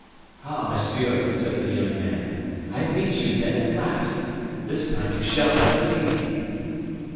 "Ah, monsieur!" said the young man, "I meet you, then, at last! This time you shall not escape me!"